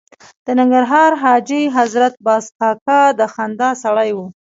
د ننګرهار حاجي حضرت باز کاکا د خندا سړی و.